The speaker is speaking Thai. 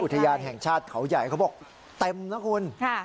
อุทยานแห่งชาติเขาใหญ่เขาบอกเต็มนะคุณ